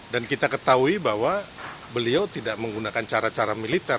dan kita ketahui bahwa beliau tidak menggunakan cara cara militer